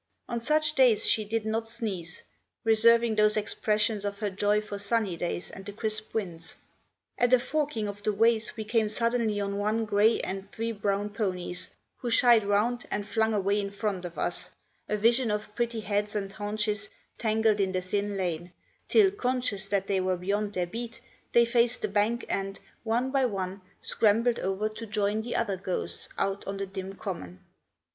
On such days she did not sneeze, reserving those expressions of her joy for sunny days and the crisp winds. At a forking of the ways we came suddenly on one grey and three brown ponies, who shied round and flung away in front of us, a vision of pretty heads and haunches tangled in the thin lane, till, conscious that they were beyond their beat, they faced the bank and, one by one, scrambled over to join the other ghosts out on the dim common.